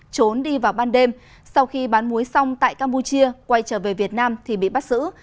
trốn đi vào ban đêm sau khi bán muối xong tại campuchia quay trở về việt nam thì bị bắt giữ